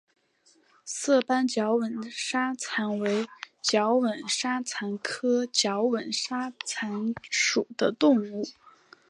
色斑角吻沙蚕为角吻沙蚕科角吻沙蚕属的动物。